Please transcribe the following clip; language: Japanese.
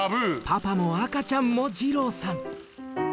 パパもあかちゃんも二朗さん。